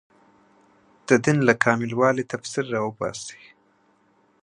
د دین له کامل والي تفسیر راوباسي